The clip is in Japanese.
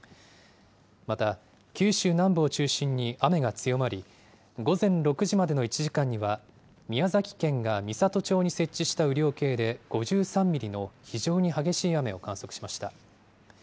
また九州南部を中心に雨が強まり、午前６時までの１時間には、宮崎県が美郷町に設置した雨量計で５３ミリの非常に激しい雨を観測しました。